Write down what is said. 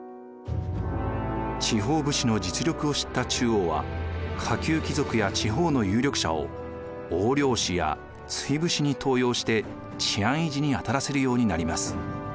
地方武士の実力を知った中央は下級貴族や地方の有力者を押領使や追捕使に登用して治安維持に当たらせるようになります。